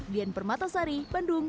lian permatasari bandung